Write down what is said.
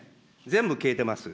全部消えてます。